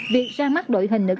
điện tập luyện